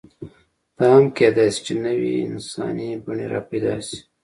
دا هم کېدی شي، چې نوې انساني بڼې راپیدا شي.